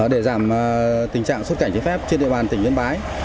để giảm tình trạng xuất cảnh trái phép trên địa bàn tỉnh yên bái